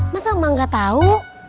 masa emak gak tau